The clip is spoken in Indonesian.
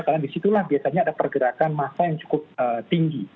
karena disitulah biasanya ada pergerakan masa yang cukup tinggi